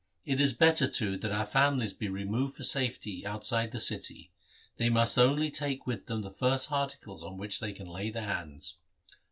It is better, too, that our families be removed for safety outside the city. They must only take with them the first articles on which they can lay their hands.'